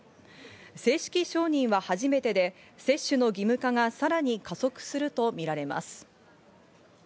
正式承認は初めてで、接種の義務化がさらに加速するとみられます。